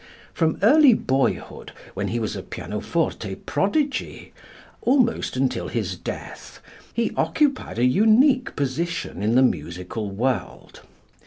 From early boyhood, when he was a pianoforte prodigy, almost until his death, he occupied a unique position in the musical world.